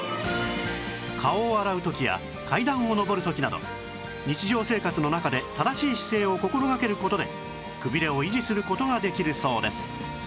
顔を洗う時や階段を上る時など日常生活の中で正しい姿勢を心がける事でくびれを維持する事ができるそうです